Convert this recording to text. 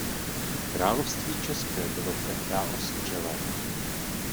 Království české bylo tehdá osiřelé.